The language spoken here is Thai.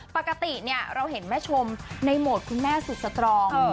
ปกติเราเห็นแม่ชมในโหมดคุณแม่สุดสตรอง